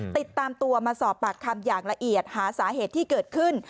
ติดตามตัวมาสอบปากคำอย่างละเอียดหาสาเหตุที่เกิดขึ้น